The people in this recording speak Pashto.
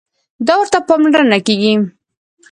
دا ورته پاملرنه کېږي.